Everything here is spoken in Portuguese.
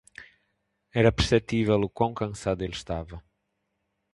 Era perceptível o quão cansado ele estava.